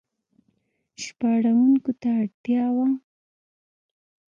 ژباړونکو ته اړتیا وه.